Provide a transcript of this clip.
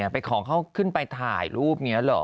ไปขอเขาขึ้นไปถ่ายรูปนี้เหรอ